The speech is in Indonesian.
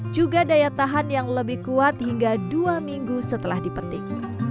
juga daya tahan yang lebih kuat hingga dua minggu setelah dipetik